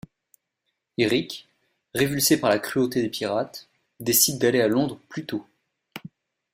Eric, révulsé par la cruauté des pirates, décide d'aller à Londres plus tôt.